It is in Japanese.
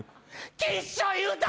きっしょい歌！